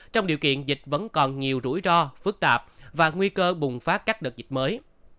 trong điều kiện dịch vẫn còn nhiều rủi ro phức tạp và nguy cơ bùng phát các đợt dịch mới